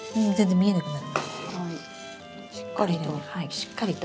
しっかりと。